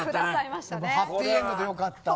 ハッピーエンドで良かった。